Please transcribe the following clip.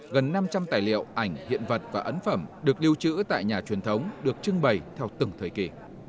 gần năm trăm linh tài liệu ảnh hiện vật và ấn phẩm được lưu trữ tại nhà truyền thống được trưng bày theo từng thời kỳ